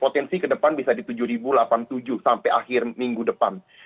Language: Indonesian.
potensi ke depan bisa di tujuh delapan puluh tujuh sampai akhir minggu depan